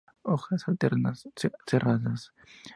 Hojas alternas, serradas, lobadas, o profundamente pinnatífidas.